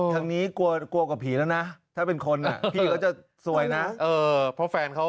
ทางนี้กลัวกับผีแล้วนะถ้าเป็นคนพี่เขาจะสวยนะเพราะแฟนเขา